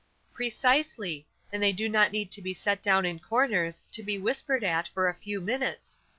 "Precisely; and they do not need to be set down in corners, to be whispered at for a few minutes.